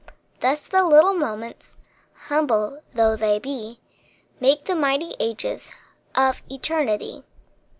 Thus the little moments, Humble though they be, Make the mighty ages Of eternity.